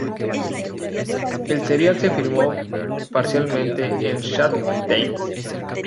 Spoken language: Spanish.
El serial se filmó parcialmente en Shad Thames.